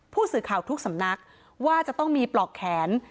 ผู้สื่อข่าวทุกสำนักว่าจะต้องมีปลอกแขน